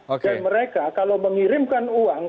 dan mereka kalau mengirimkan uang